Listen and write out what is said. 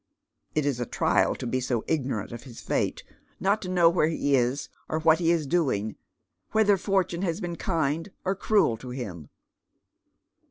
It is a trial to be so ignorant of his fate, not to know where he is or what he is doing, whether fortune has been kind or cruel to him.